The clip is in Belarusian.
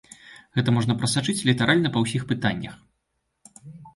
Гэта можна прасачыць літаральна па ўсіх пытаннях.